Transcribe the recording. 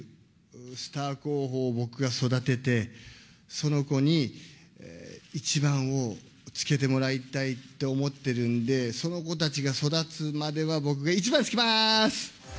スター候補を僕が育てて、その子に１番をつけてもらいたいと思ってるんで、その子たちが育つまでは、僕が１番つけまーす。